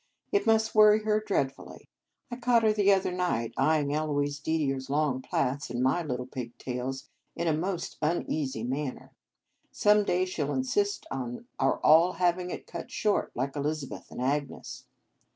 " It must worry her dread fully. I caught her the other night eyeing Eloise Didier s long plats and my little pigtails in a most uneasy manner. Some day she 11 insist on our all having it cut short, like Eliza beth and Agnes."